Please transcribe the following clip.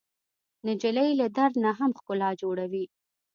نجلۍ له درد نه هم ښکلا جوړوي.